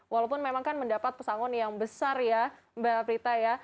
walaupun memang kan mendapat pesangon yang besar ya mbak prita ya